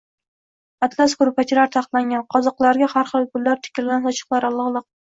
atlas koʼrpachalar taxlangan, qoziqlarga har xil gullar tikilgan sochiqlar iligʼliq.